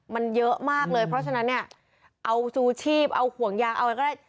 มันเยอะมากเลยเพราะฉะนั้นเนี่ยเอาชูชีพเอาห่วงยางเอาอะไรก็ได้